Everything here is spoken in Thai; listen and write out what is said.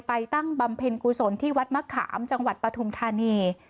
ตั้งบำเพ็ญกุศลที่วัดมะขามจังหวัดปฐุมธานี